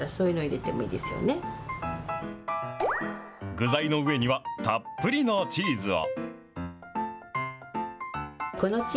具材の上には、たっぷりのチーズを。